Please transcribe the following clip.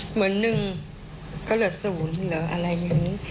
เหมือนนึงก็เหลือ๐หรืออะไรยังงี้